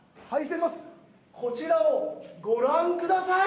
こちらをご覧ください。